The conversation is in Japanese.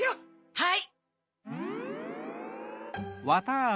はい。